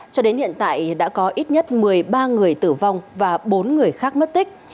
cho đến hiện tại đã có ít nhất một mươi ba người tử vong và bốn người khác mất tích